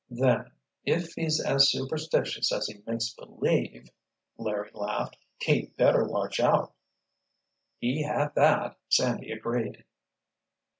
"Hm! Then—if he's as superstitious as he makes believe," Larry laughed, "he'd better watch out." "He had that!" Sandy agreed.